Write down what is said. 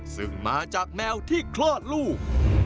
ซึ่งมาจากแมวที่คลอดลูก